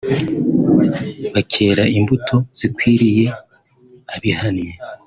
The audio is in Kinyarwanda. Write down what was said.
bakera imbuto zikwiriye abihannye